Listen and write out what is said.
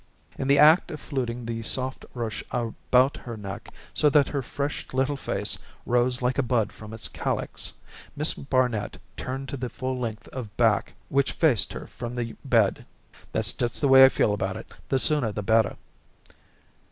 In the act of fluting the soft ruche about her neck, so that her fresh little face rose like a bud from its calyx, Miss Barnet turned to the full length of back which faced her from the bed. "That's just the way I feel about it the sooner the better."